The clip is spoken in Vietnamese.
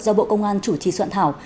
do bộ công an chủ trì soạn thảo